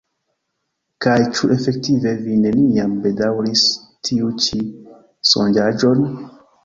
Kaj ĉu efektive vi neniam bedaŭris tiun ĉi sonĝaĵon?